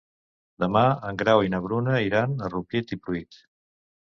Demà en Grau i na Bruna iran a Rupit i Pruit.